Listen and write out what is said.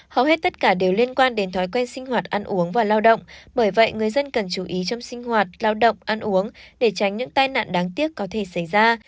hầu hết tất cả đều liên quan đến thói quen sinh hoạt ăn uống và lao động bởi vậy người dân cần chú ý trong sinh hoạt lao động ăn uống để tránh những tai nạn đáng tiếc có thể xảy ra